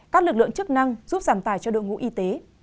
các lực lượng chức năng giúp giảm tài cho đội ngũ y tế